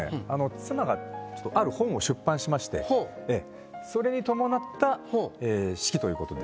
妻がある本を出版しましてそれに伴った式ということで。